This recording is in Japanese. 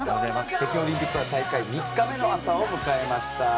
北京オリンピックは大会３日目の朝を迎えました。